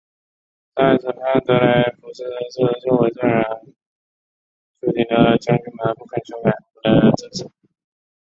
在审判德雷福斯时作为证人出庭的将军们不肯修改他们的证词。